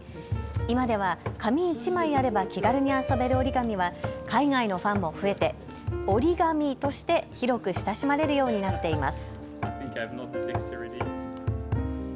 今では紙１枚あれば気軽に遊べる折り紙は海外のファンも増えてＯＲＩＧＡＭＩとして広く親しまれるようになっています。